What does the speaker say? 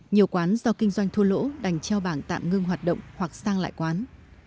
nhiều quán do kinh doanh thua lỗ đành treo bảng tạm ngưng hoạt động hoặc sang lại quán